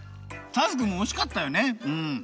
ターズくんもおしかったよねうん。